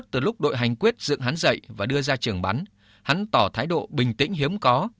từ lúc đội hành quyết dựng hắn dậy và đưa ra trường bắn hắn tỏ thái độ bình tĩnh hiếm có